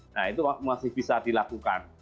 nah itu masih bisa dilakukan